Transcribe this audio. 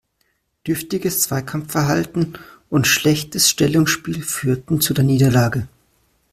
Dürftiges Zweikampfverhalten und schlechtes Stellungsspiel führten zu der Niederlage.